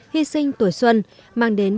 hy sinh tuổi xuân mang đến